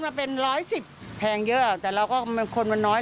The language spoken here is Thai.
เราก็บอกพี่ช่วยซื้อหน่อยนะอะไรวันนี้